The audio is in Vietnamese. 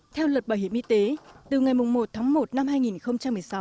theo luật bảo hiểm y tế từ ngày một tháng một năm hai nghìn một mươi sáu